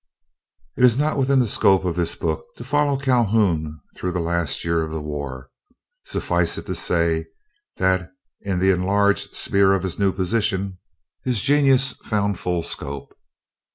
It is not within the scope of this book to follow Calhoun through the last year of the war. Suffice it to say, that in the enlarged sphere of his new position, his genius found full scope.